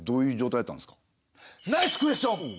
ナイスクエスチョン！